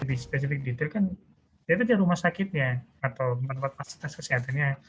lebih spesifik detail kan dia kerja rumah sakit ya atau tempat masyarakat kesehatannya